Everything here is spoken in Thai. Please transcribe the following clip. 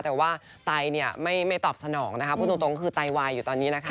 แต่ว่าไตเนี่ยไม่ตอบสนองนะคะพูดตรงก็คือไตวายอยู่ตอนนี้นะคะ